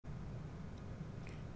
thưa các bạn